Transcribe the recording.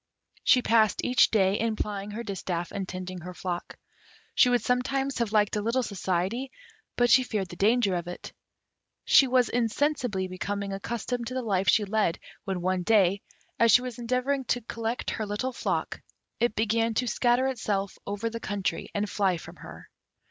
She passed each day in plying her distaff and tending her flock. She would sometimes have liked a little society, but she feared the danger of it. She was insensibly becoming accustomed to the life she led, when one day, as she was endeavouring to collect her little flock, it began to scatter itself over the country and fly from her.